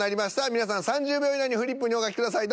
皆さん３０秒以内にフリップにお書きください